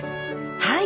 はい。